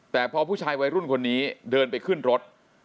แต่พอผู้ชายวัยรุ่นคนนี้เดินไปขึ้นรถ